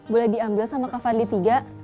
boleh diambil sama kak fadli tiga